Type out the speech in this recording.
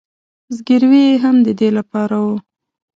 زګیروي یې هم د دې له پاره و.